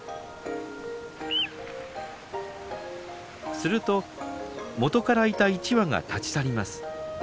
すると元からいた１羽が立ち去ります。